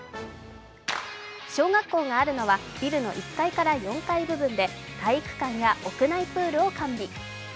小学校があるのはビルの１階から４階部分で、体育館や屋内プールを完備。